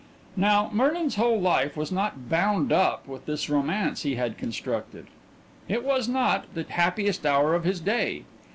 Now, Merlin's whole life was not "bound up with this romance he had constructed"; it was not "the happiest hour of his day."